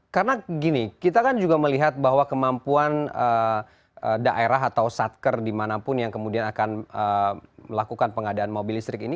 karena gini kita kan juga melihat bahwa kemampuan daerah atau satker dimanapun yang kemudian akan melakukan pengadaan mobil listrik ini